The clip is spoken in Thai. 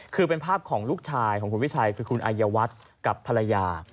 คือเป็นภาพของลูกชายของคุณวิชัยคือคุณอายวัฒน์กับภรรยา